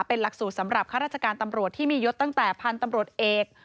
เป็นหลักสูตรสำหรับข้าราชการตำรวจที่มียศตั้งแต่พันธุ์ตำรวจเอก